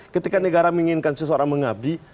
ketika negara menginginkan seseorang mengabdi